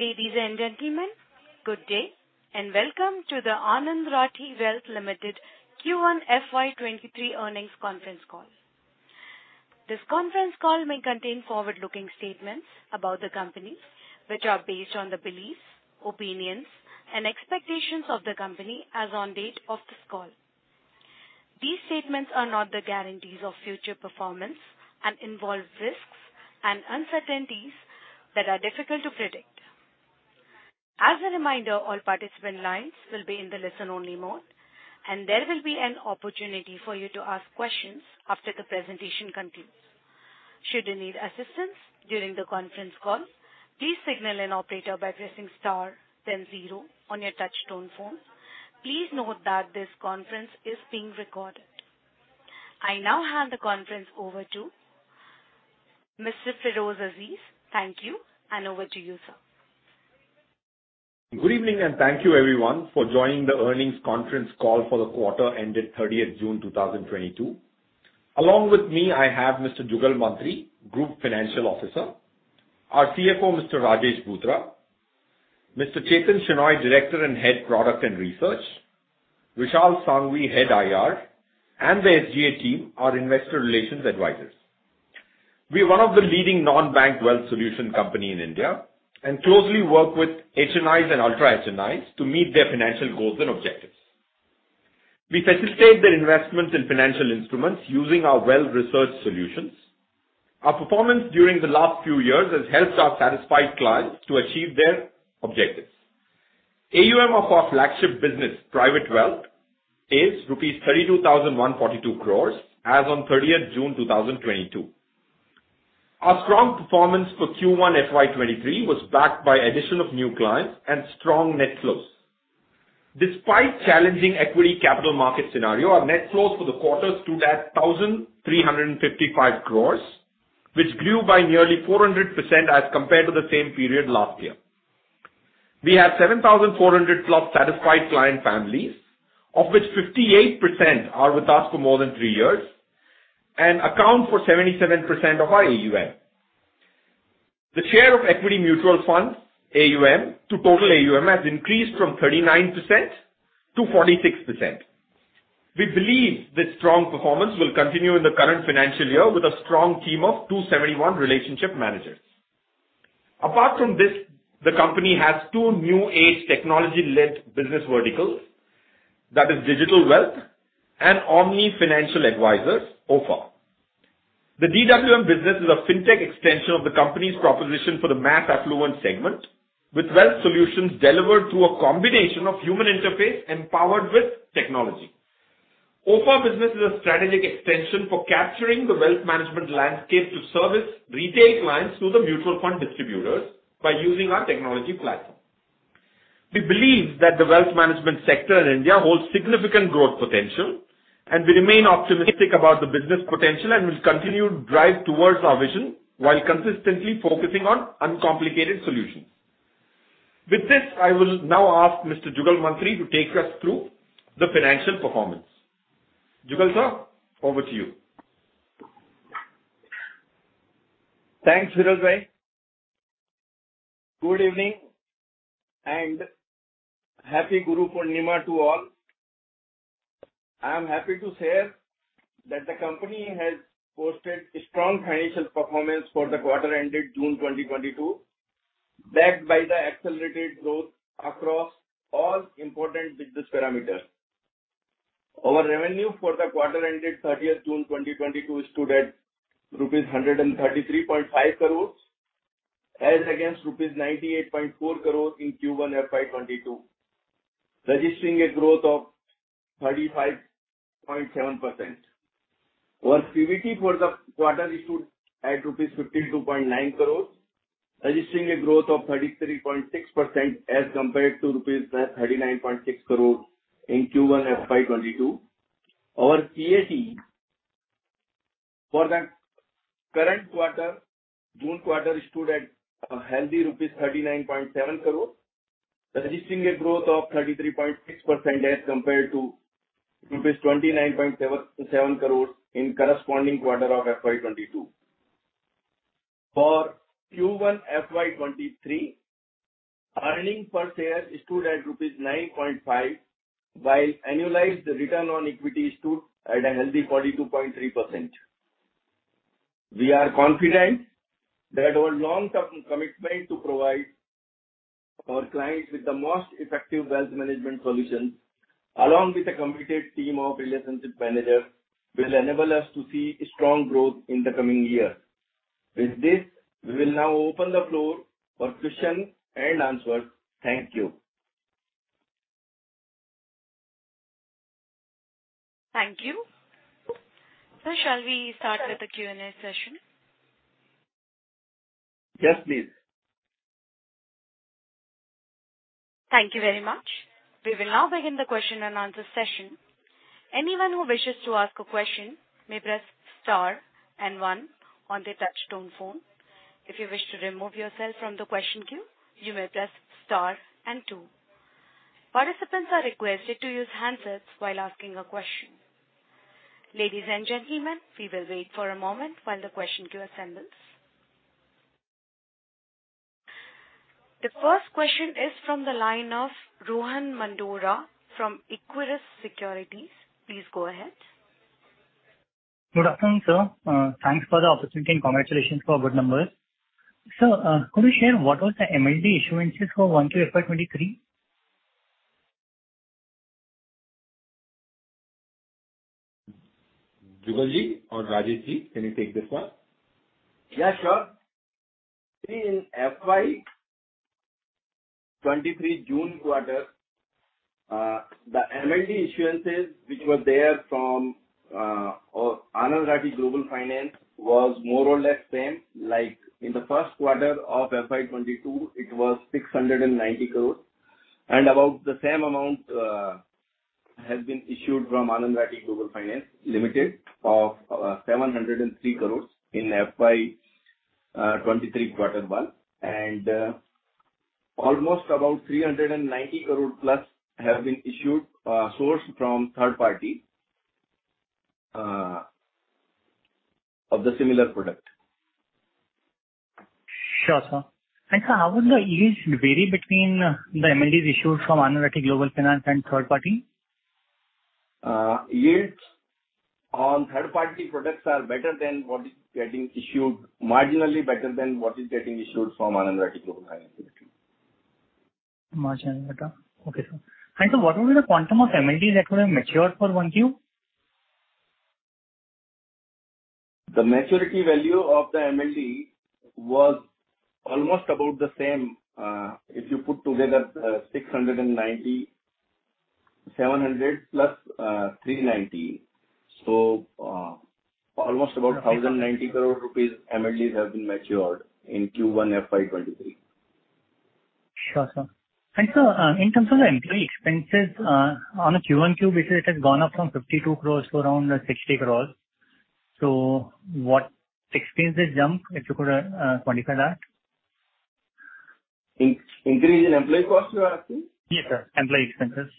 Ladies and gentlemen, good day, and welcome to the Anand Rathi Wealth Limited Q1 FY 2023 earnings conference call. This conference call may contain forward-looking statements about the company which are based on the beliefs, opinions and expectations of the company as on date of this call. These statements are not the guarantees of future performance and involve risks and uncertainties that are difficult to predict. As a reminder, all participant lines will be in the listen-only mode, and there will be an opportunity for you to ask questions after the presentation concludes. Should you need assistance during the conference call, please signal an operator by pressing star then zero on your touch tone phone. Please note that this conference is being recorded. I now hand the conference over to Mr. Feroze Azeez. Thank you and over to you, sir. Good evening and thank you everyone for joining the earnings conference call for the quarter ending June 30, 2022. Along with me, I have Mr. Jugal Mantri, Group Chief Financial Officer, our CFO, Mr. Rajesh Bhutra, Mr. Chethan Shenoy, Director and Head, Product and Research, Vishal Sanghavi, Head IR, and the SGA team, our investor relations advisors. We are one of the leading non-bank wealth solutions company in India and closely work with HNIs and ultra-HNIs to meet their financial goals and objectives. We facilitate their investments in financial instruments using our wealth research solutions. Our performance during the last few years has helped our satisfied clients to achieve their objectives. AUM of our flagship business, Private Wealth, is rupees 32,142 Crores as on June 30, 2022. Our strong performance for Q1 FY2023 was backed by addition of new clients and strong net flows. Despite challenging equity capital market scenario, our net flows for the quarter stood at 1,355 Crores, which grew by nearly 400% as compared to the same period last year. We have 7,400+ satisfied client families, of which 58% are with us for more than three years and account for 77% of our AUM. The share of equity mutual funds AUM to total AUM has increased from 39% to 46%. We believe this strong performance will continue in the current financial year with a strong team of 271 relationship managers. Apart from this, the company has two new age technology-led business verticals. That is Digital Wealth and Omni Financial Advisors, OFA. The DWM business is a fintech extension of the company's proposition for the mass affluent segment, with wealth solutions delivered through a combination of human interface empowered with technology. OFA business is a strategic extension for capturing the wealth management landscape to service retail clients through the mutual fund distributors by using our technology platform. We believe that the wealth management sector in India holds significant growth potential, and we remain optimistic about the business potential and will continue to drive towards our vision while consistently focusing on uncomplicated solutions. With this, I will now ask Mr. Jugal Mantri to take us through the financial performance. Jugal, sir, over to you. Thanks, Feroze. Good evening and Happy Guru Purnima to all. I am happy to share that the company has posted strong financial performance for the quarter ending June 2022, backed by the accelerated growth across all important business parameters. Our revenue for the quarter ending 30th June 2022 stood at rupees 133.5 Crores as against rupees 98.4 Crores in Q1 FY 2022, registering a growth of 35.7%. Our PBT for the quarter stood at 52.9 Crores rupees, registering a growth of 33.6% as compared to 39.6 Crores rupees in Q1 FY 2022. Our PAT for the current quarter, June quarter, stood at a healthy rupees 39.7 Crores, registering a growth of 33.6% as compared to rupees 29.7 Crores in corresponding quarter of FY 2022. For Q1 FY 2023, earnings per share stood at rupees 9.5, while annualized return on equity stood at a healthy 42.3%. We are confident that our long-term commitment to provide our clients with the most effective wealth management solutions, along with a committed team of relationship managers, will enable us to see strong growth in the coming year. With this, we will now open the floor for questions and answers. Thank you. Thank you. Sir, shall we start with the Q&A session? Yes, please. Thank you very much. We will now begin the question and answer session. Anyone who wishes to ask a question may press star and one on their touch tone phone. If you wish to remove yourself from the question queue, you may press star and two. Participants are requested to use handsets while asking a question. Ladies and gentlemen, we will wait for a moment while the question queue assembles. The first question is from the line of Rohan Mandora from Equirus Securities. Please go ahead. Good afternoon, sir. Thanks for the opportunity and congratulations for good numbers. Sir, could you share what was the MLD issuances for 1QFY23? Jugalji or Rajeshji, can you take this one? Yeah, sure. In FY 2023 June quarter, the MLD issuances which were there from Anand Rathi Global Finance was more or less same like in the first quarter of FY 2022 it was 690 Crores. About the same amount has been issued from Anand Rathi Global Finance Limited of 703 Crores in FY 2023 quarter one. Almost about 390 Crores plus have been issued sourced from third party of the similar product. Sure, sir. Sir, how would the yields vary between the MLDs issued from Anand Rathi Global Finance and third party? Yields on third-party products are better than what is getting issued, marginally better than what is getting issued from Anand Rathi Global Finance Limited. Marginally better. Okay, sir. What will be the quantum of MLD that would have matured for 1Q? The maturity value of the MLD was almost about the same, if you put together, 690, 700+, 390. Almost about 1,090 Crores rupees MLDs have been matured in Q1 FY 2023. Sure, sir. Sir, in terms of the employee expenses, on a Q1Q basis it has gone up from 52 Crores to around 60 Crores. What expenses jump, if you could quantify that. Increase in employee cost you are asking? Yes, sir. Employee expenses.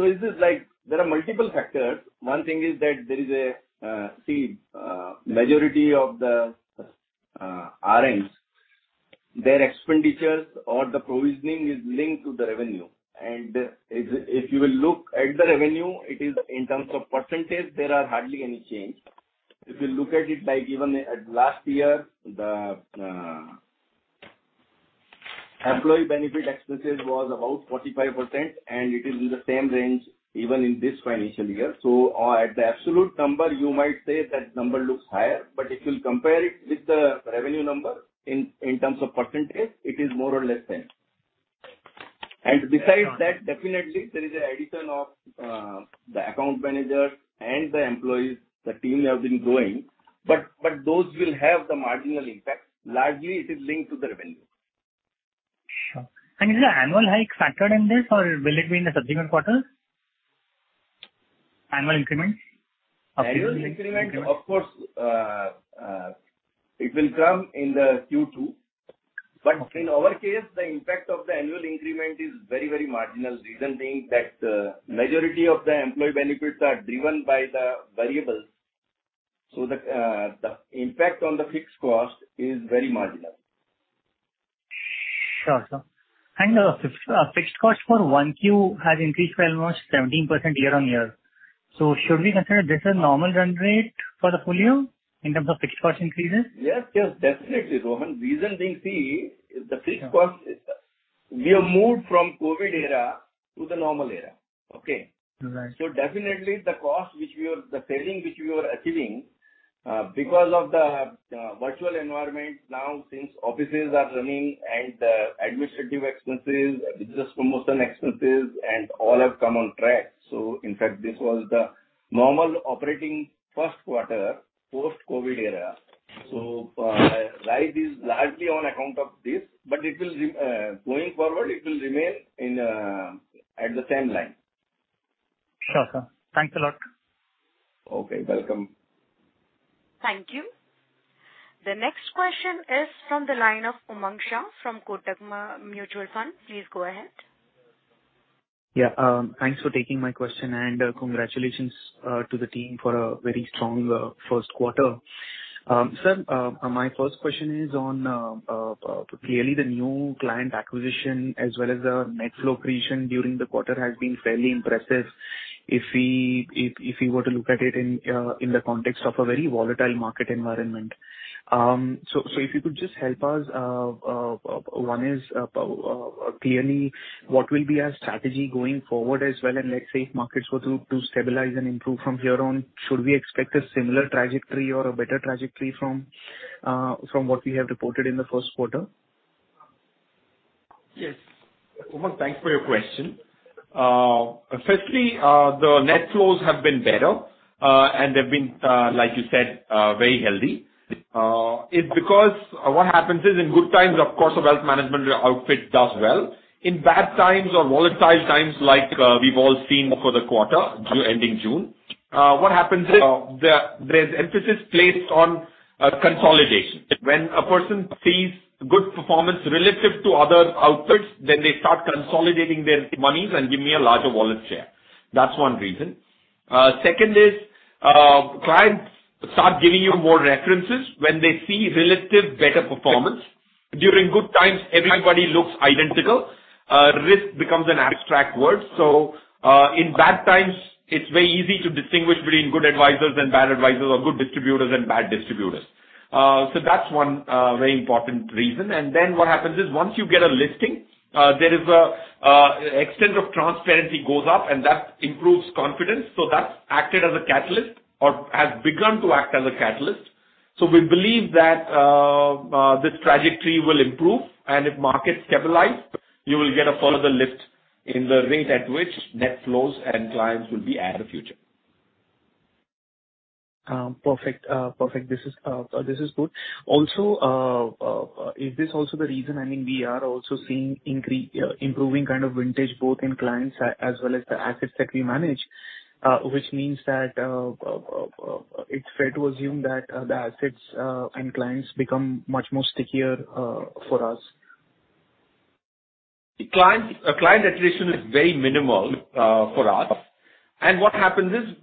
Is this like there are multiple factors. One thing is that there is a majority of the RMs, their expenditures or the provisioning is linked to the revenue. If you will look at the revenue, it is in terms of percentage, there are hardly any change. If you look at it, given that last year the employee benefit expenses was about 45% and it is in the same range even in this financial year. At the absolute number you might say that number looks higher, but if you compare it with the revenue number in terms of percentage, it is more or less same. Besides that, definitely there is an addition of the account managers and the employees. The team have been growing, but those will have the marginal impact. Largely it is linked to the revenue. Sure. Is the annual hike factored in this or will it be in the subsequent quarters? Annual increments. Annual increment of course, it will come in the Q2. In our case, the impact of the annual increment is very, very marginal. Reason being that, majority of the employee benefits are driven by the variables. The impact on the fixed cost is very marginal. Sure, sir. Fixed costs for 1Q has increased by almost 17% year-on-year. Should we consider this a normal run rate for the full year in terms of fixed cost increases? Yes. Definitely, Rohan. Reason being, see, the fixed cost is. We have moved from COVID era to the normal era. Okay? Right. Definitely, the saving which we were achieving because of the virtual environment now since offices are running and the administrative expenses, business promotion expenses, and all have come on track. In fact, this was the normal operating first quarter post-COVID era. Rise is largely on account of this. Going forward, it will remain in at the same line. Sure, sir. Thanks a lot. Okay, welcome. Thank you. The next question is from the line of Umang Shah from Kotak Mutual Fund. Please go ahead. Yeah. Thanks for taking my question and congratulations to the team for a very strong first quarter. Sir, my first question is on clearly the new client acquisition as well as the net flow creation during the quarter has been fairly impressive. If we were to look at it in the context of a very volatile market environment. So if you could just help us, one is clearly what will be our strategy going forward as well? Let's say if markets were to stabilize and improve from here on, should we expect a similar trajectory or a better trajectory from what we have reported in the first quarter? Yes. Umang, thanks for your question. Firstly, the net flows have been better, and they've been, like you said, very healthy. It's because what happens is in good times, of course, a wealth management outfit does well. In bad times or volatile times like, we've all seen for the quarter ending June, what happens is, there's emphasis placed on, consolidation. When a person sees good performance relative to other outputs, then they start consolidating their monies and give me a larger wallet share. That's one reason. Second is, clients start giving you more references when they see relative better performance. During good times, everybody looks identical. Risk becomes an abstract word. In bad times, it's very easy to distinguish between good advisors and bad advisors or good distributors and bad distributors. That's one very important reason. What happens is, once you get a listing, there is an extent of transparency goes up, and that improves confidence. That's acted as a catalyst or has begun to act as a catalyst. We believe that this trajectory will improve. If markets stabilize, you will get a further lift in the rate at which net flows and clients will be added future. Perfect. This is good. Also, is this also the reason, I mean, we are also seeing improving kind of vintage both in clients as well as the assets that we manage, which means that it's fair to assume that the assets and clients become much more stickier for us. Client attrition is very minimal for us. What happens is,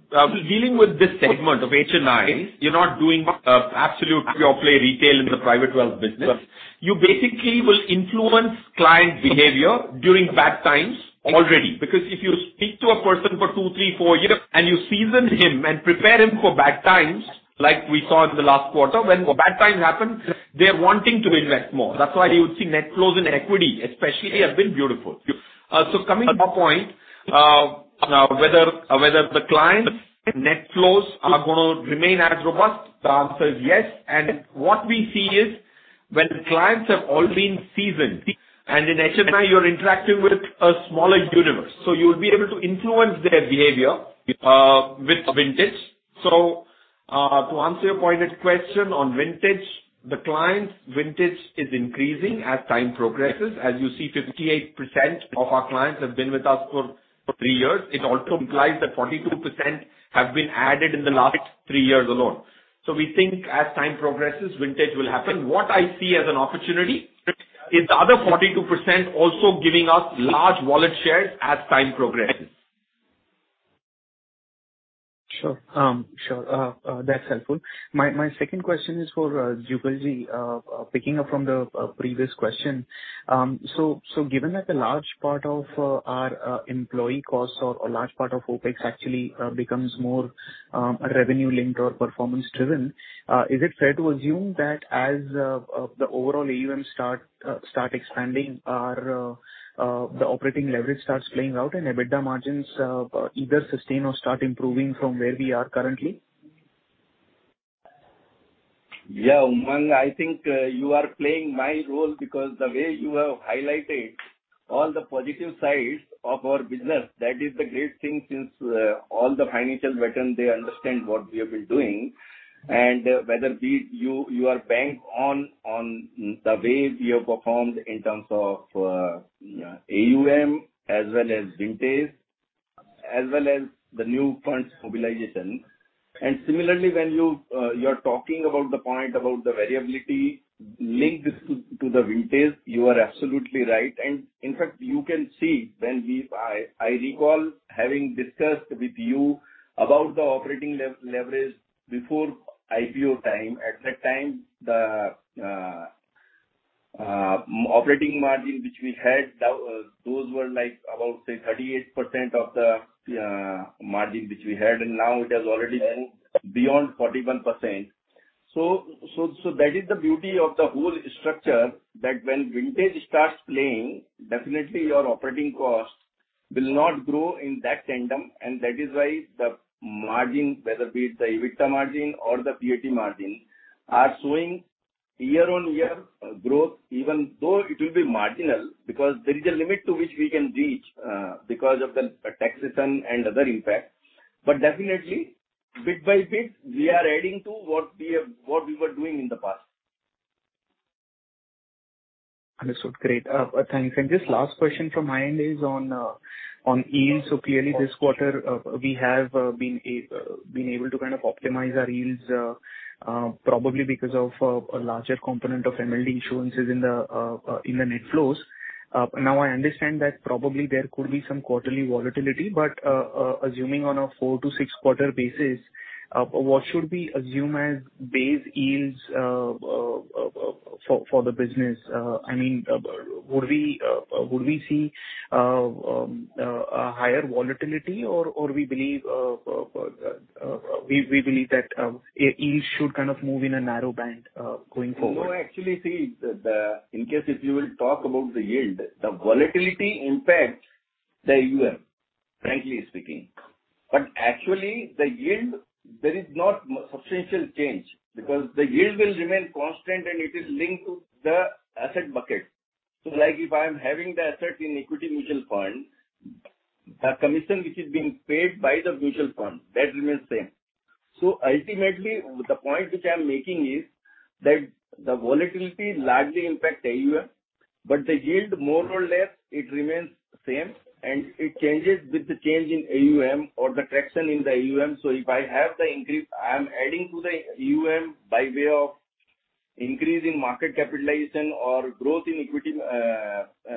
dealing with this segment of HNI, you're not doing absolute pure play retail in the Private Wealth business. You basically will influence client behavior during bad times already, because if you speak to a person for two, three, four years and you season him and prepare him for bad times, like we saw in the last quarter, when bad times happen, they're wanting to invest more. That's why you would see net flows in equity especially have been beautiful. Coming to your point, whether the clients net flows are gonna remain as robust, the answer is yes. What we see is, when clients have already been seasoned, and in HNI you're interacting with a smaller universe, so you'll be able to influence their behavior with vintage. to answer your pointed question on vintage, the clients' vintage is increasing as time progresses. As you see, 58% of our clients have been with us for three years. It also implies that 42% have been added in the last three years alone. we think as time progresses, vintage will happen. What I see as an opportunity is the other 42% also giving us large wallet share as time progresses. Sure. That's helpful. My second question is for Jugalji. Picking up from the previous question. So given that a large part of our employee costs or a large part of OpEx actually becomes more revenue-linked or performance-driven, is it fair to assume that as the overall AUM starts expanding, the operating leverage starts playing out and EBITDA margins either sustain or start improving from where we are currently? Yeah. Umang, I think you are playing my role because the way you have highlighted all the positive sides of our business, that is the great thing since all the financial veterans, they understand what we have been doing. Whether it be you are banking on the way we have performed in terms of AUM as well as vintage, as well as the new funds mobilization. Similarly, when you're talking about the point about the variability linked to the vintage, you are absolutely right. In fact, you can see I recall having discussed with you about the operating leverage before IPO time. At that time, the operating margin which we had, those were like about, say, 38% of the margin which we had, and now it has already moved beyond 41%. That is the beauty of the whole structure, that when vintage starts playing, definitely your operating costs will not grow in that tandem. That is why the margin, whether be it the EBITDA margin or the PAT margin, are showing year-on-year growth, even though it will be marginal because there is a limit to which we can reach, because of the taxation and other impact. Definitely, bit by bit, we are adding to what we have, what we were doing in the past. Understood. Great. Thanks. Just last question from my end is on yield. So clearly this quarter, we have been able to kind of optimize our yields, probably because of a larger component of MLD issuances in the net flows. Now I understand that probably there could be some quarterly volatility, but assuming on a 4-6 quarter basis, what should we assume as base yields for the business? I mean, would we see a higher volatility? Or we believe that yields should kind of move in a narrow band going forward. You know actually, see, in case if you will talk about the yield, the volatility impacts the AUM, frankly speaking. Actually the yield, there is not substantial change because the yield will remain constant and it is linked to the asset bucket. Like if I'm having the asset in equity mutual fund, the commission which is being paid by the mutual fund, that remains same. Ultimately the point which I'm making is that the volatility largely impacts AUM, but the yield more or less it remains same and it changes with the change in AUM or the traction in the AUM. If I have the increase, I am adding to the AUM by way of increase in market capitalization or growth in equity,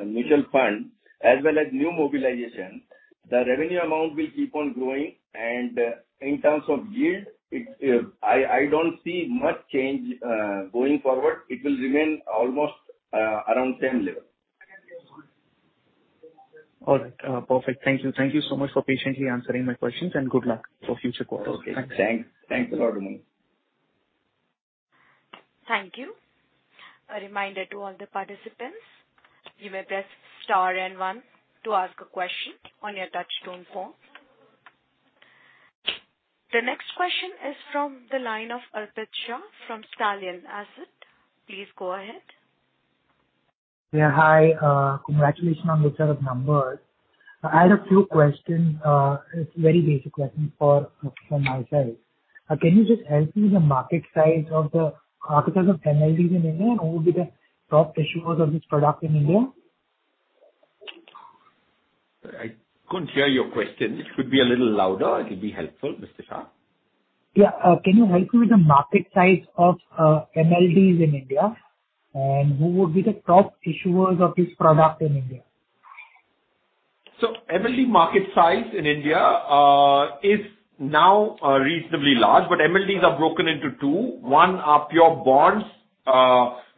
mutual fund as well as new mobilization, the revenue amount will keep on growing. In terms of yield, I don't see much change going forward. It will remain almost around same level. All right. Perfect. Thank you. Thank you so much for patiently answering my questions, and good luck for future quarters. Okay. Thanks. Thanks a lot, Umang. Thank you. A reminder to all the participants, you may press star and one to ask a question on your touchtone phone. The next question is from the line of Arpit Shah from Stallion Asset. Please go ahead. Yeah, hi. Congratulations on the set of numbers. I had a few questions. It's very basic questions from my side. Can you just help me with the market size of the MLDs in India, and who would be the top issuers of this product in India? I couldn't hear your question. Could be a little louder, it'll be helpful, Mr. Shah. Yeah. Can you help me with the market size of MLDs in India, and who would be the top issuers of this product in India? MLD market size in India is now reasonably large, but MLDs are broken into two. One are pure bonds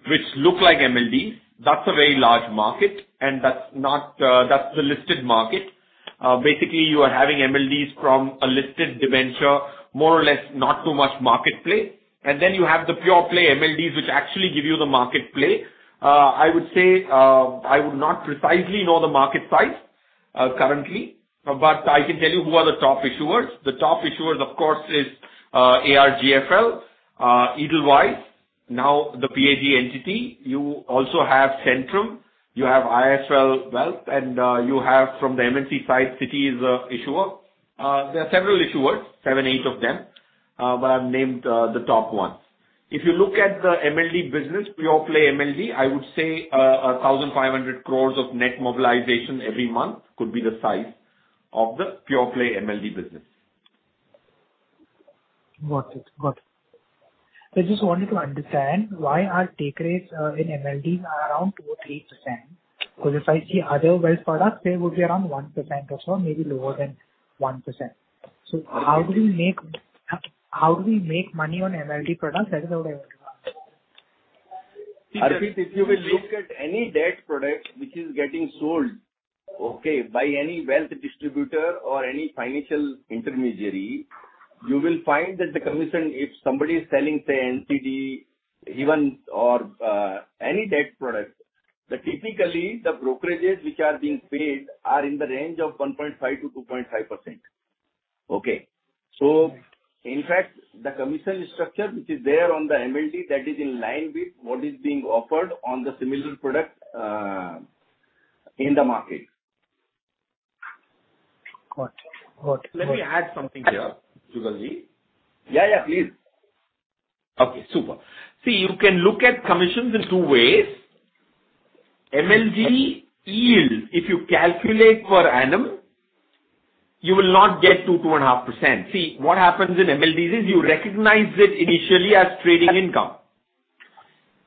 which look like MLD. That's a very large market, and that's the listed market. Basically you are having MLDs from a listed debenture, more or less not too much market play. Then you have the pure play MLDs which actually give you the market play. I would say I would not precisely know the market size currently, but I can tell you who are the top issuers. The top issuers of course is ARGFL, Edelweiss, now the Nuvama entity. You also have Centrum, you have IIFL Wealth, and you have from the MNC side, Citi is a issuer. There are several issuers, seven, eight of them, but I've named the top ones. If you look at the MLD business, pure play MLD, I would say, 1,500 Crores of net mobilization every month could be the size of the pure play MLD business. Got it. I just wanted to understand why our take rates in MLD are around 2-3%. Because if I see other wealth products, they would be around 1% or so, maybe lower than 1%. How do we make money on MLD products? That is what I wanted to ask. Arpit, if you will look at any debt product which is getting sold, okay, by any wealth distributor or any financial intermediary, you will find that the commission, if somebody is selling, say NCD even or, any debt product, typically the brokerages which are being paid are in the range of 1.5%-2.5%. Okay. In fact, the commission structure which is there on the MLD, that is in line with what is being offered on the similar product, in the market. Got it. Let me add something here, Jugalji. Yeah, yeah. Please. Okay, super. See, you can look at commissions in two ways. MLD yield, if you calculate per annum, you will not get 2.5%. See, what happens in MLDs is you recognize it initially as trading income.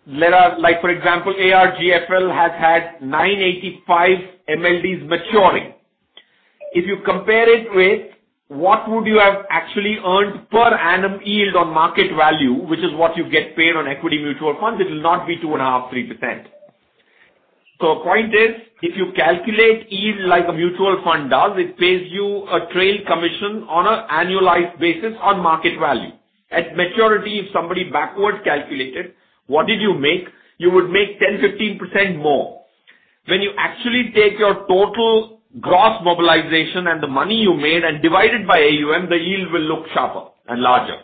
Like for example, ARGFL has had 985 MLDs maturing. If you compare it with what would you have actually earned per annum yield on market value, which is what you get paid on equity mutual funds, it will not be 2.5, 3%. Point is, if you calculate yield like a mutual fund does, it pays you a trail commission on a annualized basis on market value. At maturity, if somebody backwards calculated what did you make, you would make 10, 15% more. When you actually take your total gross mobilization and the money you made and divide it by AUM, the yield will look sharper and larger.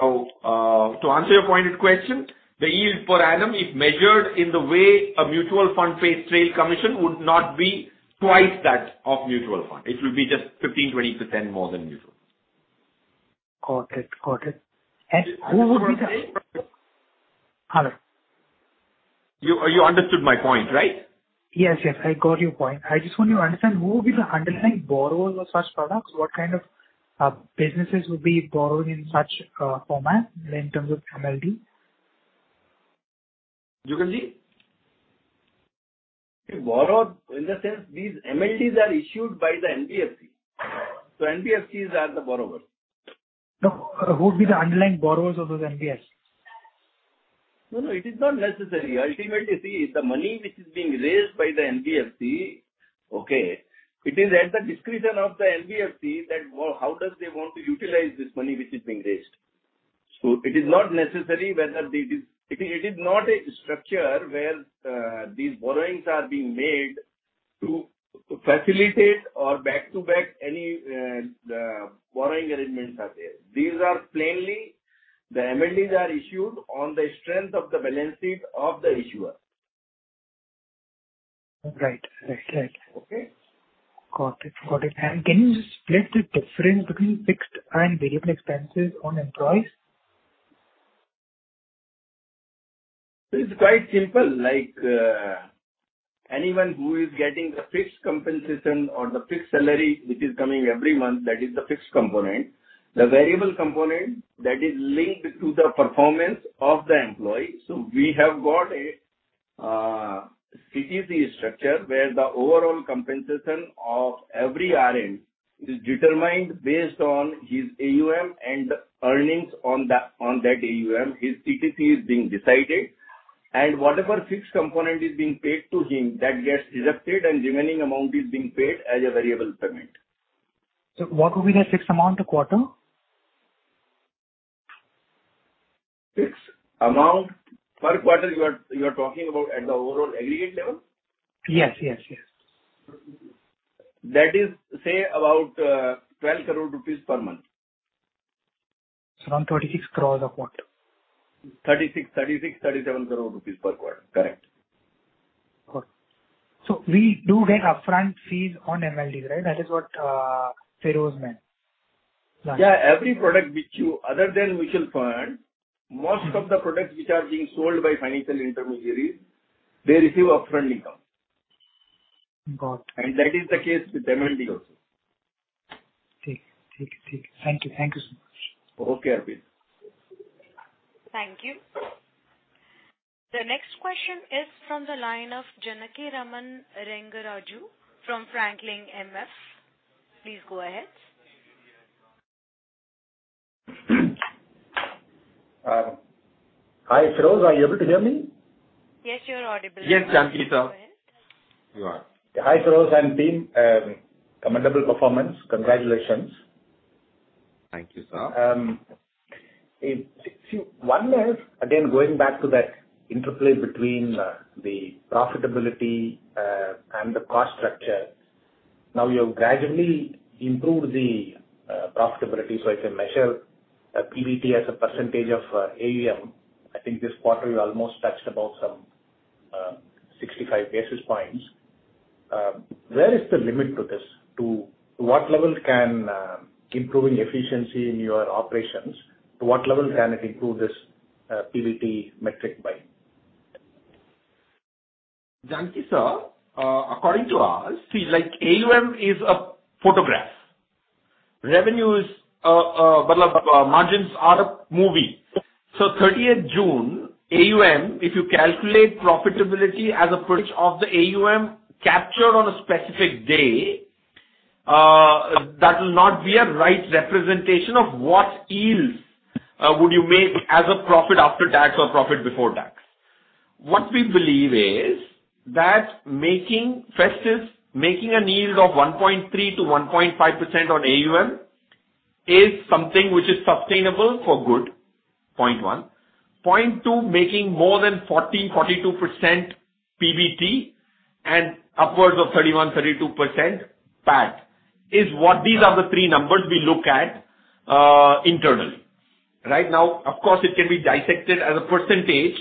To answer your pointed question, the yield per annum, if measured in the way a mutual fund pays trail commission, would not be twice that of mutual fund. It will be just 15-20% more than mutual fund. Got it. You understood my point, right? Yes, yes. I got your point. I just want to understand who will be the underlying borrowers of such products, what kind of businesses would be borrowing in such format in terms of MLD? Jugalji? The borrower in the sense these MLDs are issued by the NBFC. NBFCs are the borrowers. No. Who would be the underlying borrowers of those NBFCs? No, no. It is not necessary. Ultimately, see, the money which is being raised by the NBFC, okay, it is at the discretion of the NBFC that how does they want to utilize this money which is being raised. It is not necessary. It is not a structure where these borrowings are being made to facilitate or back-to-back any the borrowing arrangements are there. These are plainly the MLDs are issued on the strength of the balance sheet of the issuer. Right. Right. Right. Okay. Got it. Can you just split the difference between fixed and variable expenses on employees? It's quite simple. Like, anyone who is getting a fixed compensation or the fixed salary which is coming every month, that is the fixed component. The variable component that is linked to the performance of the employee. We have got a CTC structure where the overall compensation of every RM is determined based on his AUM and earnings on that AUM. His CTC is being decided and whatever fixed component is being paid to him that gets deducted and remaining amount is being paid as a variable payment. What would be the fixed amount a quarter? Fixed amount per quarter you are talking about at the overall aggregate level? Yes. Yes. Yes. That is to say about 12 Crores rupees per month. Around 36 Crores a quarter. 36-37 Crores rupees per quarter. Correct. Correct. We do get upfront fees on MLDs, right? That is what, Feroze meant. Yeah, every product other than mutual fund, most of the products which are being sold by financial intermediaries, they receive upfront income. Got it. That is the case with MLD also. Okay. Take it. Thank you. Thank you so much. Okay, Arpit. Thank you. The next question is from the line of Janakiraman Rengaraju from Franklin MF. Please go ahead. Hi, Feroze. Are you able to hear me? Yes, you are audible. Yes, Janakiraman, sir. You are. Hi, Feroze and team. Commendable performance. Congratulations. Thank you, sir. One is again going back to that interplay between the profitability and the cost structure. Now, you have gradually improved the profitability, so I can measure PBT as a percentage of AUM. I think this quarter you almost touched about some 65 basis points. Where is the limit to this? To what level can improving efficiency in your operations improve this PBT metric by? Janakiraman, sir, according to us, see, like AUM is a photograph. Revenue is, margins are a movie. 30th June AUM, if you calculate profitability as a percentage of the AUM captured on a specific day, that will not be a right representation of what yields would you make as a profit after tax or profit before tax. What we believe is that making first is making an yield of 1.3%-1.5% on AUM is something which is sustainable for good, point one. Point two, making more than 42% PBT and upwards of 31%-32% PAT is what these are the three numbers we look at, internally. Right now, of course, it can be dissected as a percentage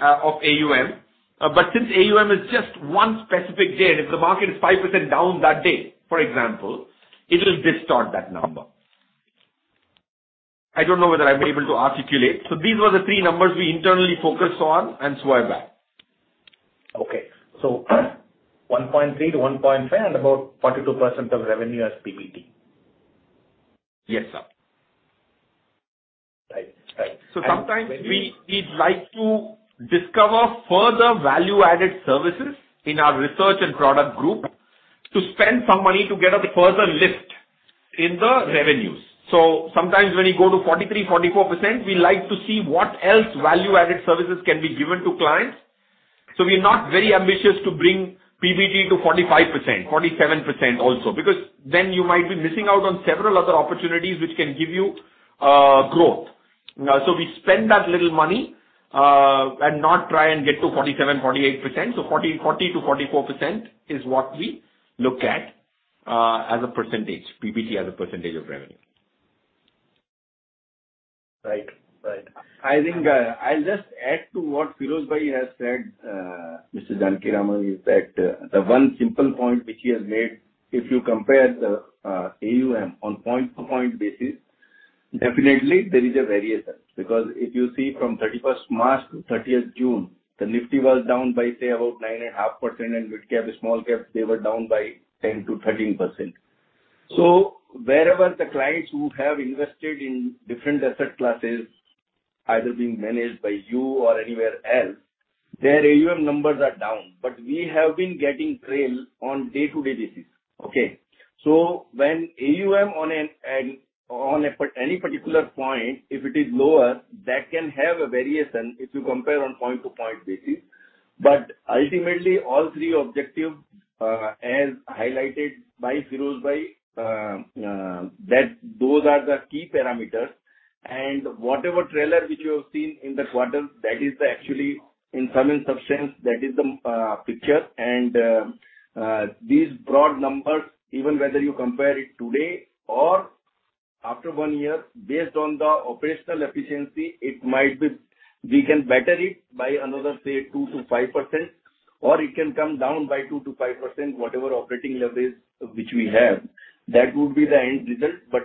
of AUM, but since AUM is just one specific day and if the market is 5% down that day, for example, it will distort that number. I don't know whether I'm able to articulate. These were the three numbers we internally focus on and swear by. 1.3-1.5 and about 42% of revenue as PBT. Yes, sir. Right. Right. Sometimes we'd like to discover further value-added services in our research and product group to spend some money to get a further lift in the revenues. Sometimes when we go to 43%-44%, we like to see what else value-added services can be given to clients. We are not very ambitious to bring PBT to 45%-47% also because then you might be missing out on several other opportunities which can give you growth. We spend that little money and not try and get to 47%-48%. 40%-44% is what we look at as a percentage, PBT as a percentage of revenue. Right. Right. I think, I'll just add to what Feroze bhai has said, Mr. Janakiraman Rengaraju, is that the one simple point which he has made, if you compare the AUM on point-to-point basis, definitely there is a variation. Because if you see from thirty-first March to thirtieth June, the Nifty was down by say about 9.5% and Midcap, Smallcap, they were down by 10%-13%. Wherever the clients who have invested in different asset classes either being managed by you or anywhere else, their AUM numbers are down. But we have been getting trail on day-to-day basis. Okay. When AUM on any particular point, if it is lower, that can have a variation if you compare on point-to-point basis. Ultimately all three objectives, as highlighted by Feroze bhai, that those are the key parameters. Whatever trailer which you have seen in the quarter, that is actually in some instance that is the picture and these broad numbers, even whether you compare it today or after one year based on the operational efficiency, it might be we can better it by another, say 2%-5%, or it can come down by 2%-5%, whatever operating leverage which we have. That would be the end result.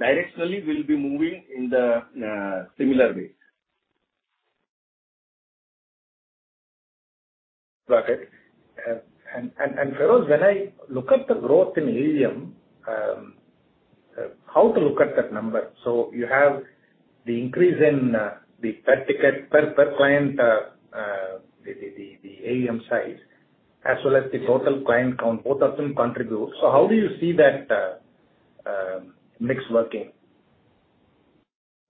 Directionally we'll be moving in the similar way. Got it. Feroze, when I look at the growth in AUM, how to look at that number. You have the increase in the per ticket, per client, the AUM size as well as the total client count, both of them contribute. How do you see that mix working?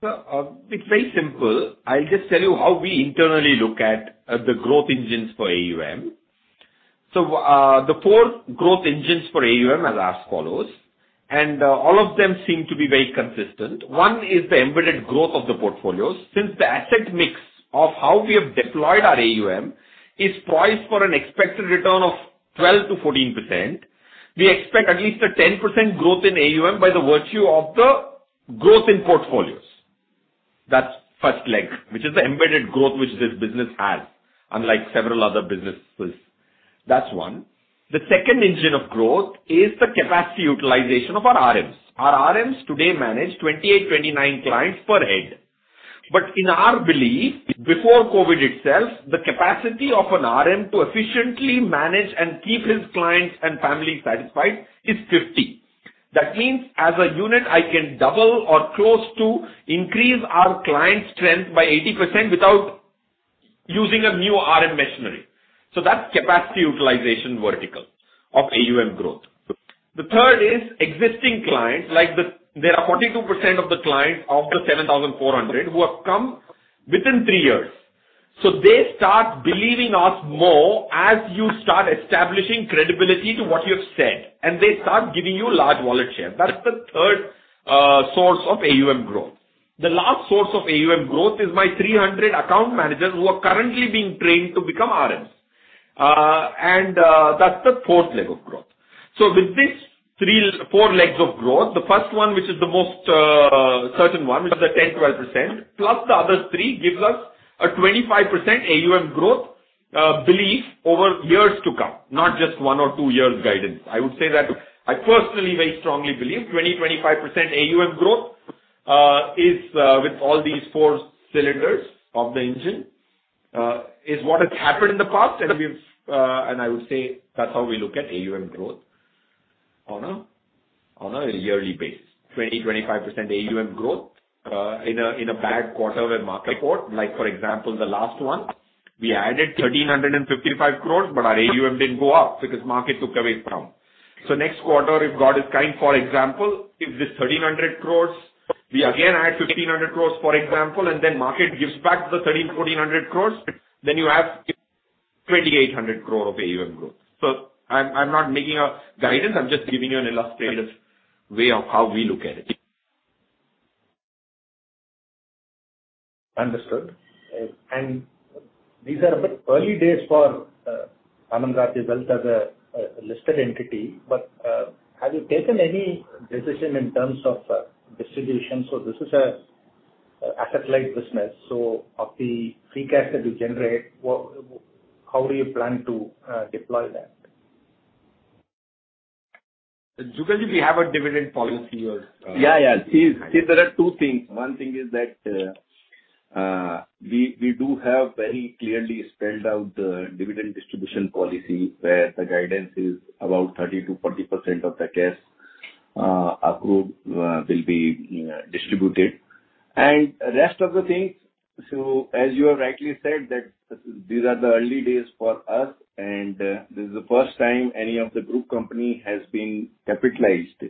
It's very simple. I'll just tell you how we internally look at the growth engines for AUM. The four growth engines for AUM are as follows, and all of them seem to be very consistent. One is the embedded growth of the portfolios. Since the asset mix of how we have deployed our AUM is priced for an expected return of 12%-14%, we expect at least a 10% growth in AUM by the virtue of the growth in portfolios. That's first leg, which is the embedded growth which this business has, unlike several other businesses. That's one. The second engine of growth is the capacity utilization of our RMs. Our RMs today manage 28-29 clients per head. In our belief, before COVID itself, the capacity of an RM to efficiently manage and keep his clients and family satisfied is 50. That means as a unit, I can double or close to increase our client strength by 80% without using a new RM machinery. That's capacity utilization vertical of AUM growth. The third is existing clients, like the. There are 42% of the clients of the 7,400 who have come within three years. They start believing us more as you start establishing credibility to what you have said, and they start giving you large wallet share. That's the third source of AUM growth. The last source of AUM growth is my 300 account managers who are currently being trained to become RMs. That's the fourth leg of growth. With these four legs of growth, the first one, which is the most certain one, which is the 10%-12%, plus the other three, gives us a 25% AUM growth belief over years to come, not just one or two years guidance. I would say that I personally very strongly believe 20-25% AUM growth is with all these four cylinders of the engine is what has happened in the past. We've and I would say that's how we look at AUM growth on a yearly basis. 20-25% AUM growth in a bad quarter where market fall. Like for example, the last one, we added 1,355 Crore, but our AUM didn't go up because market took away from. Next quarter, if God is kind, for example, if this 1,300 Crore, we again add 1,500 Crores, for example, and then market gives back the 1,300-1,400 Crores, then you have 2,800 Crores of AUM growth. I'm not making a guidance. I'm just giving you an illustrative way of how we look at it. Understood. These are a bit early days for Anand Rathi Wealth as a listed entity, but have you taken any decision in terms of distribution? This is a asset-light business. Of the free cash that you generate, what, how do you plan to deploy that? Janakiraman Rengaraju, we have a dividend policy as. Yeah. See there are two things. One thing is that we do have very clearly spelled out dividend distribution policy, where the guidance is about 30%-40% of the cash approved will be distributed. Rest of the things, so as you have rightly said that these are the early days for us, and this is the first time any of the group company has been capitalized.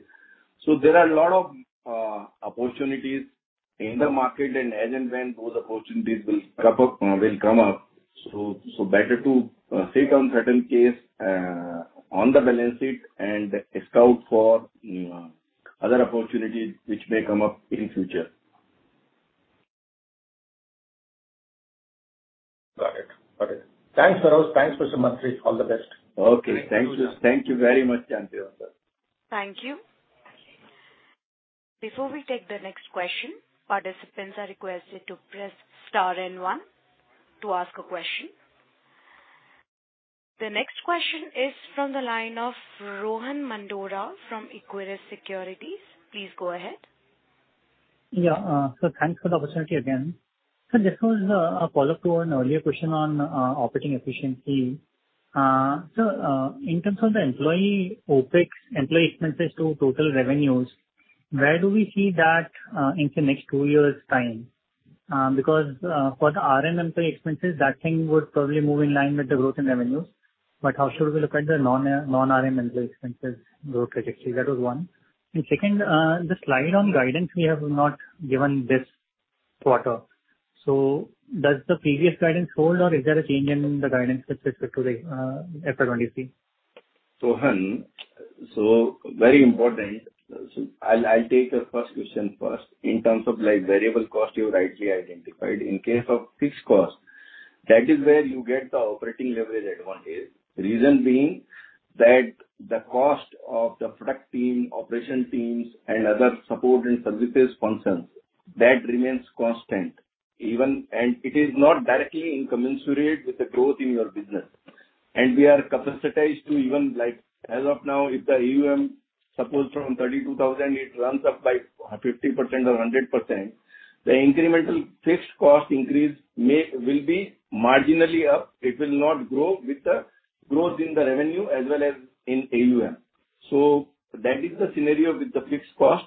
There are a lot of opportunities in the market, and as and when those opportunities will crop up, will come up, so better to sit on certain cash on the balance sheet and scout for other opportunities which may come up in future. Got it. Got it. Thanks, Feroze. Thanks, Jugal Mantri. All the best. Okay. Thank you. Thank you very much, Chandrashekhar. Thank you. Before we take the next question, participants are requested to press star and one to ask a question. The next question is from the line of Rohan Mandora from Equirus Securities. Please go ahead. Thanks for the opportunity again. Just as a follow-up to an earlier question on operating efficiency. In terms of the employee OpEx, employee expenses to total revenues, where do we see that in the next two years' time? Because for the RM employee expenses, that thing would probably move in line with the growth in revenue. But how should we look at the non-RM employee expenses growth trajectory? That was one. Second, the slide on guidance, we have not given this quarter. Does the previous guidance hold or is there a change in the guidance with respect to the FY 2023? Rohan, very important. I'll take your first question first. In terms of like variable cost, you rightly identified. In case of fixed cost, that is where you get the operating leverage advantage. Reason being that the cost of the product team, operation teams and other support and services functions, that remains constant even. It is not directly incommensurate with the growth in your business. We are capacitated to even like as of now, if the AUM, suppose from 32,000 it runs up by 50% or 100%, the incremental fixed cost increase will be marginally up. It will not grow with the growth in the revenue as well as in AUM. That is the scenario with the fixed cost.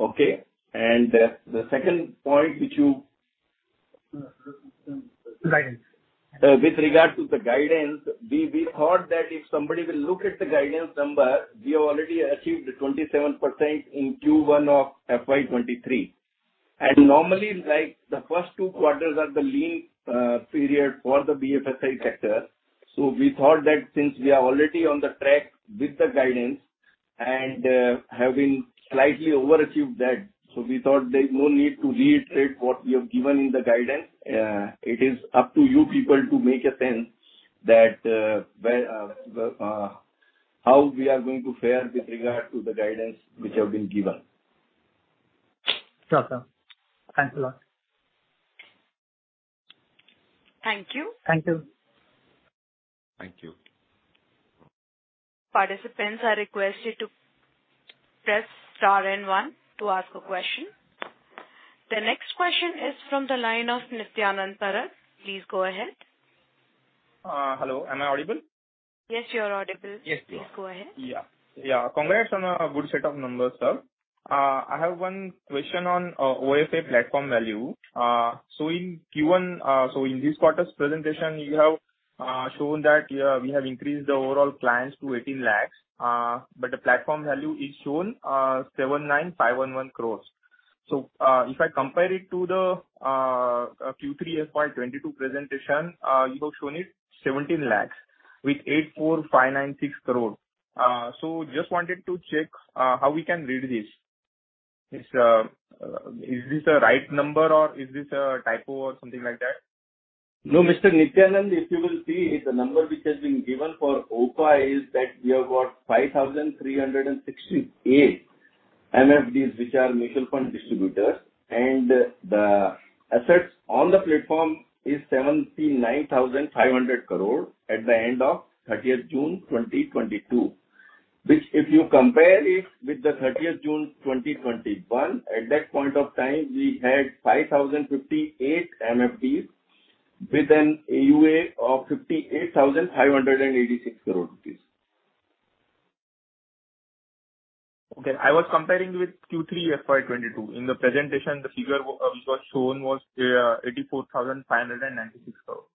Okay. The second point which you guidance. With regard to the guidance, we thought that if somebody will look at the guidance number, we have already achieved 27% in Q1 of FY 2023. Normally, like, the first two quarters are the lean period for the BFSI sector. We thought that since we are already on the track with the guidance and having slightly overachieved that, there's no need to reiterate what we have given in the guidance. It is up to you people to make sense of how we are going to fare with regard to the guidance which have been given. Sure, sir. Thanks a lot. Thank you. Thank you. Thank you. Participants are requested to press star and one to ask a question. The next question is from the line of Nityanand Parab. Please go ahead. Hello, am I audible? Yes, you are audible. Yes, you are. Please go ahead. Yeah. Yeah. Congrats on a good set of numbers, sir. I have one question on OFA platform value. So in this quarter's presentation, you have shown that we have increased the overall clients to 18 lakhs. But the platform value is shown 79,511 Crores. So if I compare it to the Q3 FY 2022 presentation, you have shown it 17 lakhs with 84,596 Crores. So just wanted to check how we can read this. Is this the right number or is this a typo or something like that? No, Mr. Nityanand, if you will see, the number which has been given for OFA is that we have got 5,368 MFDs, which are mutual fund distributors. The assets on the platform is 79,500 Crores at the end of 30th June 2022. Which if you compare it with the 30th June 2021, at that point of time, we had 5,058 MFDs with an AUM of INR 58,586 Crores. Okay. I was comparing with Q3 FY 2022. In the presentation, the figure which was shown was 84,596 Crores.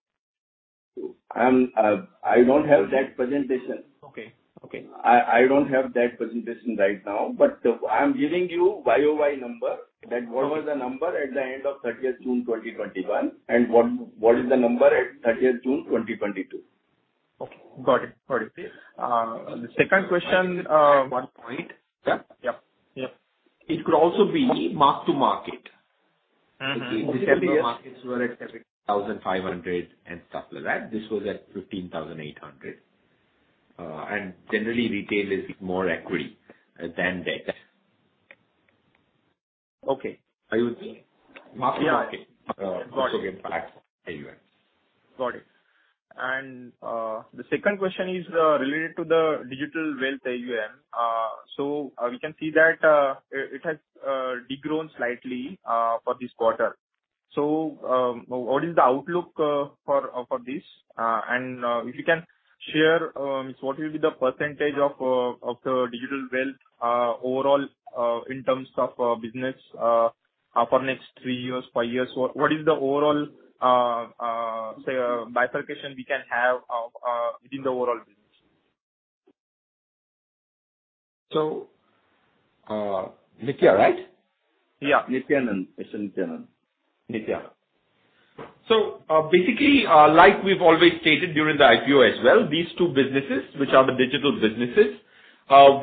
I don't have that presentation. Okay. Okay. I don't have that presentation right now, but I'm giving you YOY number. That's what was the number at the end of 30th June 2021 and what is the number at 30th June 2022. Okay. Got it. The second question. One point. Yep. It could also be mark to market. Mm-hmm. Markets were at 7,500 and stuff like that. This was at 15,800. Generally retail is more equity than debt. Okay. Are you with me? Yeah. Mark-to-market AUM. Got it. The second question is related to the Digital Wealth AUM. We can see that it has degrown slightly for this quarter. What is the outlook for this? If you can share, what will be the percentage of the Digital Wealth overall, in terms of business, for next three years, five years. What is the overall, say, bifurcation we can have within the overall business? Nitya, right? Yeah. Nityanand. It's Nityanand. Basically, like we've always stated during the IPO as well, these two businesses, which are the digital businesses,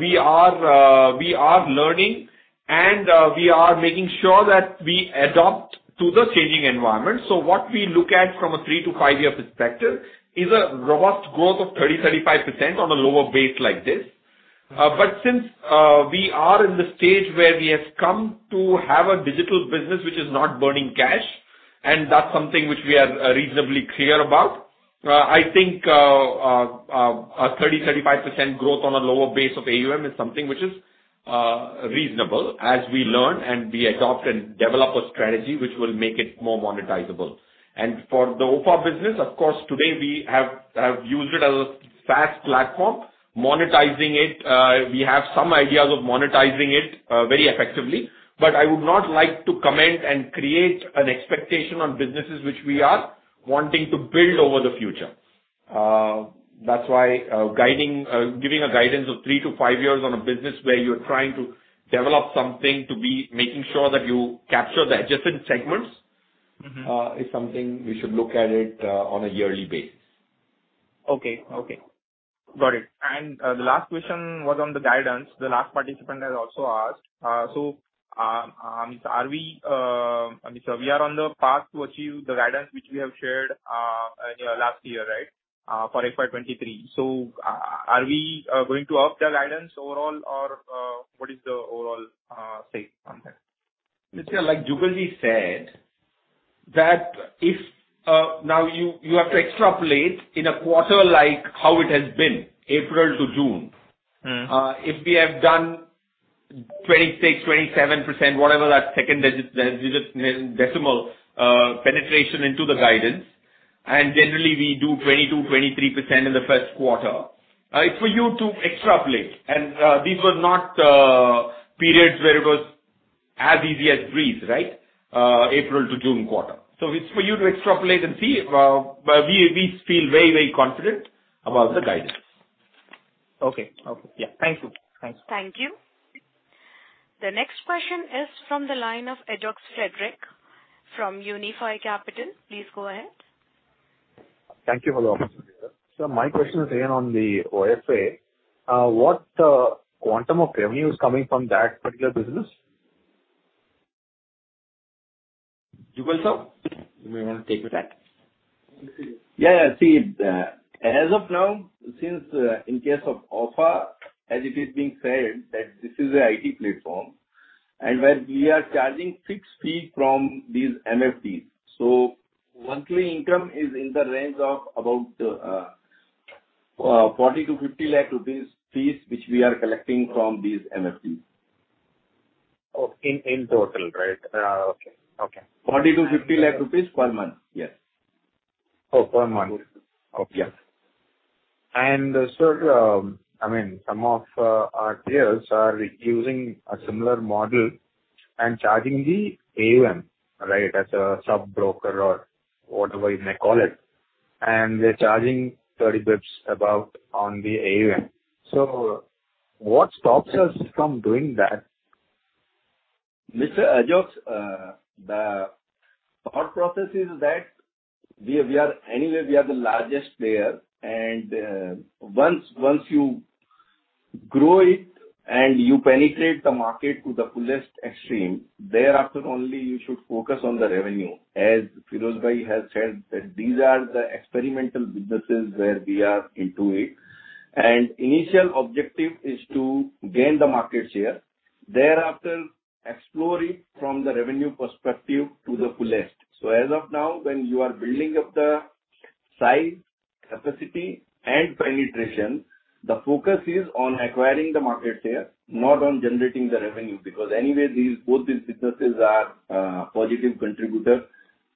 we are learning and we are making sure that we adapt to the changing environment. What we look at from a 3-5-year perspective is a robust growth of 30%-35% on a lower base like this. Since we are in the stage where we have come to have a digital business which is not burning cash, and that's something which we are reasonably clear about, I think a 30%-35% growth on a lower base of AUM is something which is reasonable as we learn and we adopt and develop a strategy which will make it more monetizable. For the OFA business, of course, today we have used it as a SaaS platform. Monetizing it, we have some ideas of monetizing it, very effectively. I would not like to comment and create an expectation on businesses which we are wanting to build over the future. That's why, giving a guidance of 3-5 years on a business where you're trying to develop something to be making sure that you capture the adjacent segments. Mm-hmm. Is something we should look at it on a yearly basis. Okay. Got it. The last question was on the guidance. The last participant has also asked. I mean, we are on the path to achieve the guidance which we have shared in last year, right? For FY 2023. Are we going to up the guidance overall or what is the overall say on that? Nityanand, like Jugal he said. That if, now you have to extrapolate in a quarter like how it has been April to June. Mm-hmm. If we have done 26-27%, whatever that second digit decimal, penetration into the guidance, and generally we do 22-23% in the first quarter. It's for you to extrapolate. These were not periods where it was as easy as breeze, right? April to June quarter. It's for you to extrapolate and see. We feel very, very confident about the guidance. Okay. Okay. Yeah. Thank you. Thank you. Thank you. The next question is from the line of Ajox Frederick from Unifi Capital. Please go ahead. Thank you for the opportunity. My question is again on the OFA. What quantum of revenue is coming from that particular business? Jugal, sir? You may wanna take that. As of now, since in case of OFA, as it is being said that this is an IT platform and where we are charging fixed fee from these MFDs. Monthly income is in the range of about 40-50 lakh rupees fees which we are collecting from these MFDs. Oh, in total, right? Okay. Okay. 40 lakh-50 lakh rupees per month. Yes. Oh, per month. Yes. Sir, I mean, some of our peers are using a similar model and charging the AUM, right? As a sub-broker or whatever you may call it, and they're charging 30 basis points on the AUM. What stops us from doing that? Mr. Ajox, our process is that we are anyway we are the largest player and once you grow it and you penetrate the market to the fullest extreme, thereafter only you should focus on the revenue. As Feroze bhai has said that these are the experimental businesses where we are into it and initial objective is to gain the market share. Thereafter, explore it from the revenue perspective to the fullest. As of now, when you are building up the size, capacity and penetration, the focus is on acquiring the market share, not on generating the revenue. Because anyway both these businesses are positive contributor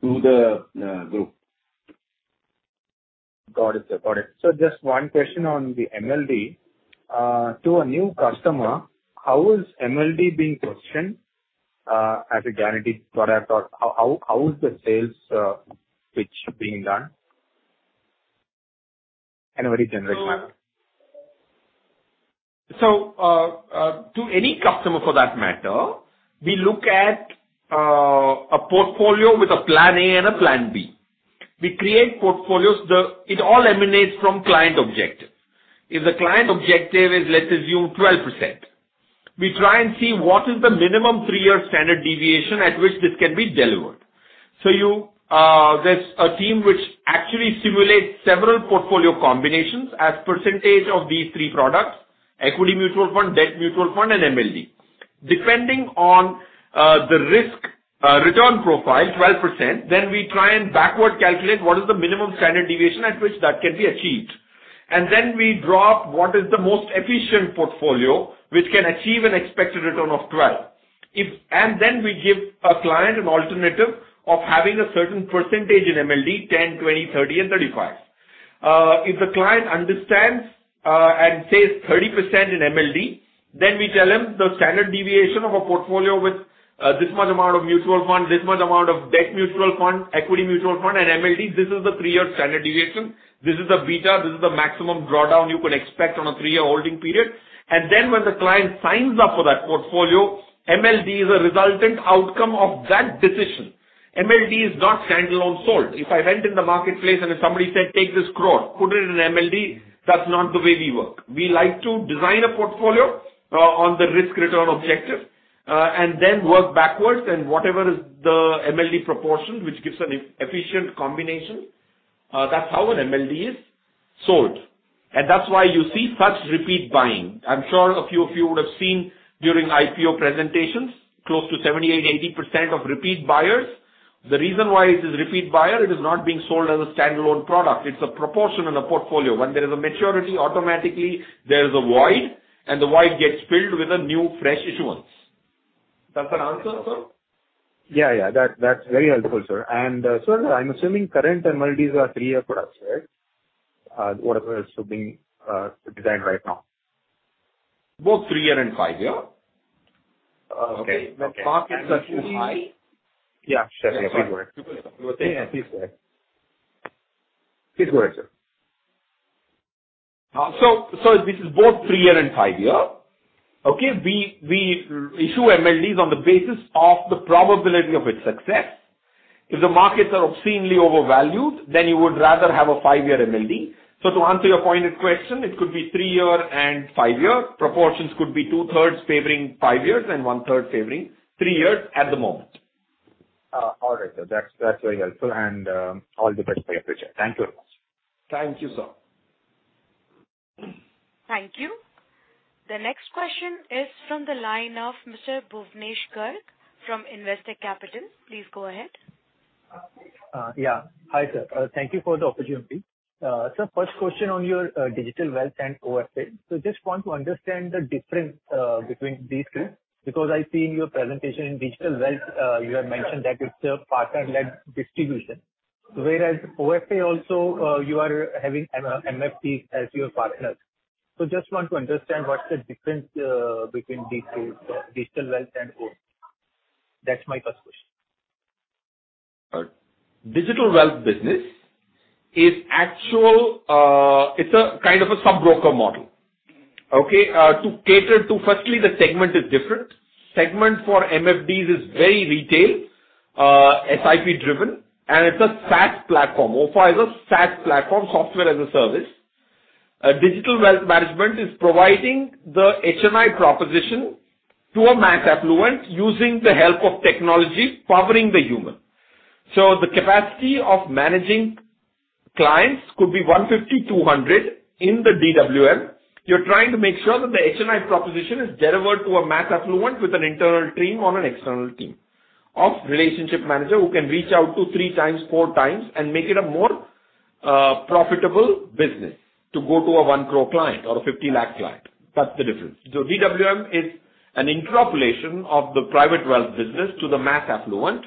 to the group. Got it, sir. Got it. Just one question on the MLD. To a new customer, how is MLD being positioned as a guaranteed product or how is the sales pitch being done? In a very general manner. To any customer for that matter, we look at a portfolio with a plan A and a plan B. We create portfolios. It all emanates from client objective. If the client objective is, let's assume 12%, we try and see what is the minimum three-year standard deviation at which this can be delivered. You, there's a team which actually simulates several portfolio combinations as percentage of these three products: equity mutual fund, debt mutual fund, and MLD. Depending on the risk return profile, 12%, then we try and backward calculate what is the minimum standard deviation at which that can be achieved. Then we draw what is the most efficient portfolio which can achieve an expected return of 12%. We give a client an alternative of having a certain percentage in MLD 10, 20, 30 and 35. If the client understands and says 30% in MLD, then we tell him the standard deviation of a portfolio with this much amount of mutual fund, this much amount of debt mutual fund, equity mutual fund and MLD. This is the three-year standard deviation. This is the beta. This is the maximum drawdown you could expect on a three-year holding period. When the client signs up for that portfolio, MLD is a resultant outcome of that decision. MLD is not standalone sold. If I went in the marketplace and if somebody said, take 1 Crore, put it in MLD, that's not the way we work. We like to design a portfolio on the risk return objective and then work backwards and whatever is the MLD proportion which gives an efficient combination, that's how an MLD is sold and that's why you see such repeat buying. I'm sure a few of you would have seen during IPO presentations, close to 70, 80% of repeat buyers. The reason why it is repeat buyer, it is not being sold as a standalone product. It's a proportion in a portfolio. When there is a maturity, automatically there is a void and the void gets filled with a new fresh issuance. That's an answer, sir? Yeah, yeah. That's very helpful, sir. Sir, I'm assuming current MLDs are three-year products, right? Whatever is being designed right now. Both three-year and five-year. Okay. The markets are too high. Yeah, sure. Please go ahead. Please go ahead, sir. This is both three-year and five-year. Okay? We issue MLDs on the basis of the probability of its success. If the markets are obscenely overvalued, then you would rather have a five-year MLD. To answer your pointed question, it could be three-year and five-year. Proportions could be two-thirds favoring five years and one-third favoring three years at the moment. All right, sir. That's very helpful and all the best for your future. Thank you very much. Thank you, sir. Thank you. The next question is from the line of Mr. Bhuvnesh Garg from Investec Capital. Please go ahead. Hi, sir. Thank you for the opportunity. Sir, first question on your Digital Wealth and OFA. Just want to understand the difference between these two, because I see in your presentation in Digital Wealth, you have mentioned that it's a partner-led distribution. Whereas OFA also, you are having an MFD as your partner. Just want to understand what's the difference between these two, so Digital Wealth and OFA. That's my first question. Digital Wealth business is actually, it's a kind of a sub-broker model. Okay? To cater to. Firstly, the segment is different. Segment for MFDs is very retail, SIP driven, and it's a SaaS platform. OFA is a SaaS platform, software as a service. Digital wealth management is providing the HMI proposition to a mass affluent using the help of technology powering the human. The capacity of managing clients could be 150, 200 in the DWM. You're trying to make sure that the HMI proposition is delivered to a mass affluent with an internal team or an external team of relationship manager who can reach out to three times, four times and make it a more profitable business to go to a 1 Crore client or a 50 lakh client. That's the difference. DWM is an interpolation of the private wealth business to the mass affluent.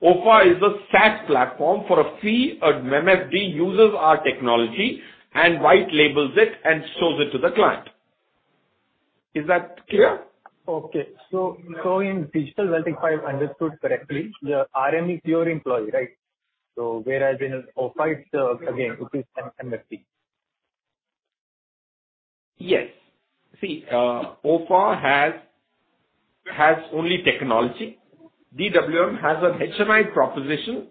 OFA is a SaaS platform for a fee. An MFD uses our technology and white labels it and shows it to the client. Is that clear? Okay. In Digital Wealth, if I understood correctly, the RM is your employee, right? Whereas in OFA it's again an MFD. Yes. See, OFA has only technology. DWM has an HNI proposition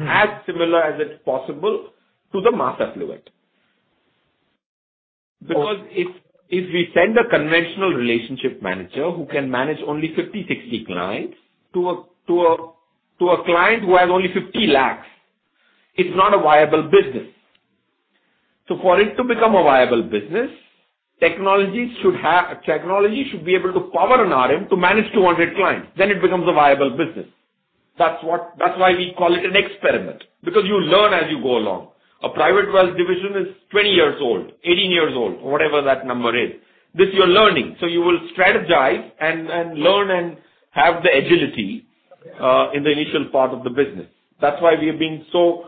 as similar as it's possible to the mass affluent. Okay. Because if we send a conventional relationship manager who can manage only 50, 60 clients to a client who has only 50 lakhs, it's not a viable business. For it to become a viable business, technology should be able to power an RM to manage 200 clients, then it becomes a viable business. That's why we call it an experiment, because you learn as you go along. A private wealth division is 20 years old, 18 years old, or whatever that number is. This you're learning, so you will strategize and learn and have the agility in the initial part of the business. That's why we are being so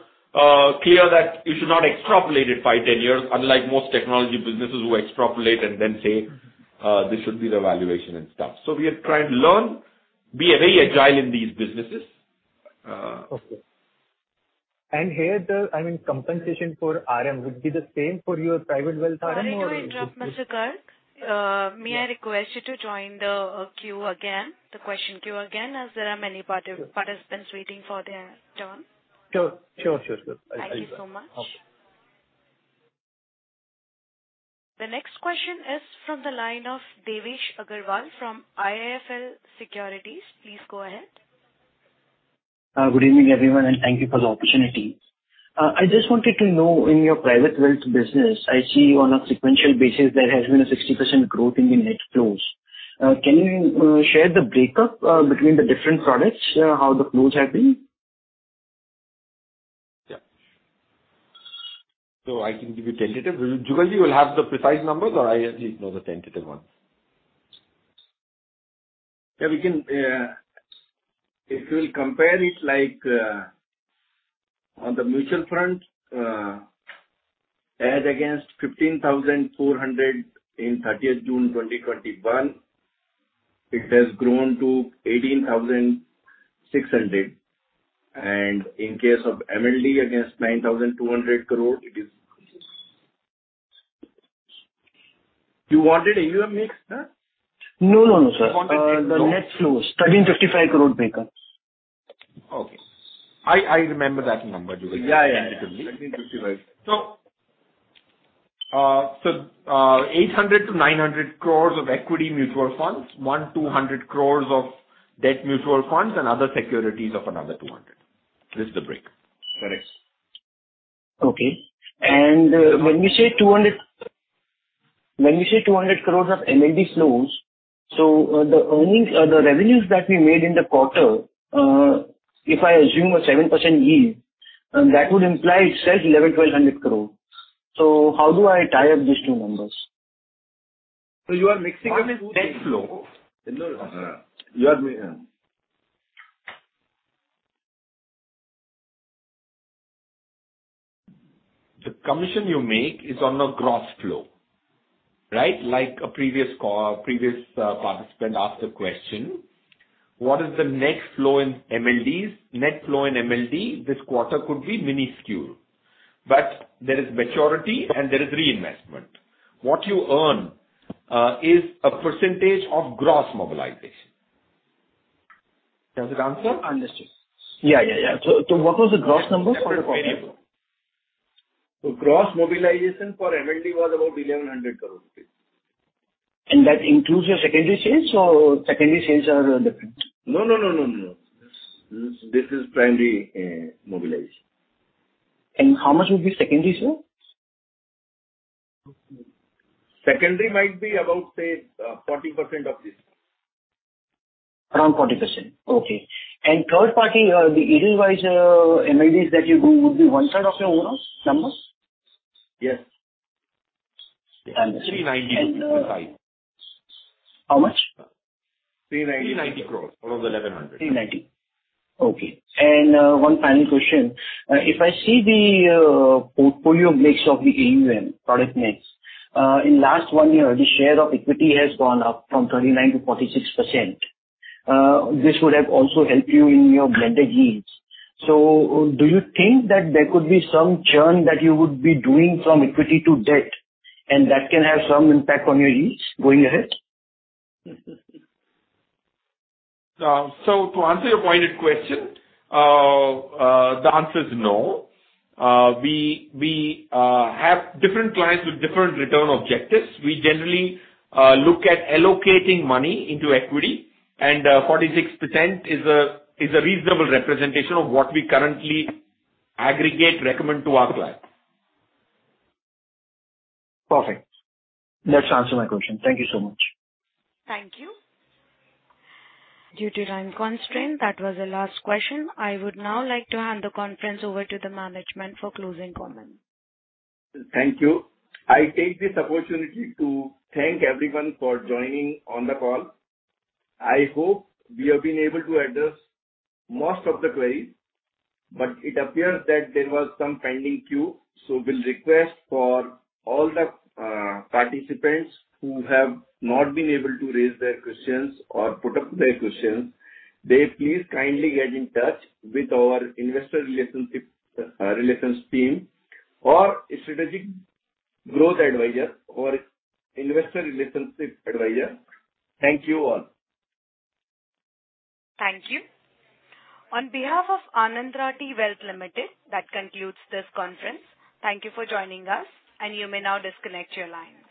clear that you should not extrapolate it by 10 years, unlike most technology businesses who extrapolate and then say this should be the valuation and stuff. We are trying to learn, be very agile in these businesses. Okay. Here the, I mean, compensation for RM would be the same for your Private Wealth RM or- Sorry to interrupt, Mr. Garg. May I request you to join the question queue again, as there are many participants waiting for their turn. Sure. I will. Thank you so much. Okay. The next question is from the line of Devesh Agarwal from IIFL Securities. Please go ahead. Good evening, everyone, and thank you for the opportunity. I just wanted to know in your Private Wealth business, I see on a sequential basis there has been a 60% growth in the net flows. Can you share the breakup between the different products, how the flows have been? Yeah. I can give you tentative. Jugal, you will have the precise numbers or I at least know the tentative ones. If we'll compare it like on the mutual front as against 15,400 Crores in 30th June 2021, it has grown to 18,600 Crores. In case of MLD against 9,200 Crores, it is. You wanted AUM mix, huh? No, no, sir. You wanted- The net flows. 1,355 Crores breakup. Okay. I remember that number, Jugal. Yeah, yeah. Tentatively. 1:55 P.M. 800-900 Crores of equity mutual funds, 100-200 Crores of debt mutual funds and other securities of another 200. This is the break. Correct. When we say 200 Crores of MLD flows, the earnings or the revenues that we made in the quarter, if I assume a 7% yield, that would imply it's just 1,100-1,200 Crores. How do I tie up these two numbers? You are mixing up two things. What is net flow? The commission you make is on the gross flow, right? Like a previous call, participant asked a question. What is the net flow in MLDs? Net flow in MLDs this quarter could be minuscule, but there is maturity and there is reinvestment. What you earn is a percentage of gross mobilization. Does it answer? Understood. Yeah. What was the gross number for the quarter? Gross mobilization for MLD was about 1,100 Crores rupees. That includes your secondary sales or secondary sales are different? No. This is primary mobilization. How much would be secondary, sir? Secondary might be about, say, 40% of this. Around 40%. Okay. Third party, the deal-wise, MLD that you do would be 1/3 of your overall numbers? Yes. Understood. 390- And, uh- Five. How much? 390. 390 Crores out of the 1,100 INR 390 Crores. Okay. One final question. If I see the portfolio mix of the AUM product mix, in last one year the share of equity has gone up from 39% to 46%. This would have also helped you in your blended yields. Do you think that there could be some churn that you would be doing from equity to debt and that can have some impact on your yields going ahead? To answer your pointed question, the answer is no. We have different clients with different return objectives. We generally look at allocating money into equity and 46% is a reasonable representation of what we currently aggregate and recommend to our clients. Perfect. That answers my question. Thank you so much. Thank you. Due to time constraint, that was the last question. I would now like to hand the conference over to the management for closing comments. Thank you. I take this opportunity to thank everyone for joining on the call. I hope we have been able to address most of the queries, but it appears that there was some pending queue. Will request for all the participants who have not been able to raise their questions or put up their questions, they please kindly get in touch with our investor relations team or Strategic Growth Advisors or investor relations advisor. Thank you all. Thank you. On behalf of Anand Rathi Wealth Limited, that concludes this conference. Thank you for joining us, and you may now disconnect your lines.